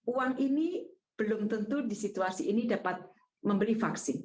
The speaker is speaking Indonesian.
uang ini belum tentu di situasi ini dapat membeli vaksin